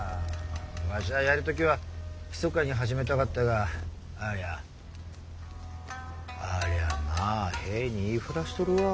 わしゃあやる時はひそかに始めたかったがありゃあありゃあまあ兵に言い触らしとるわ。